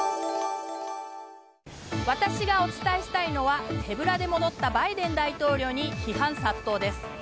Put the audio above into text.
私がお伝えしたいのは手ぶらで戻ったバイデン大統領に批判殺到です。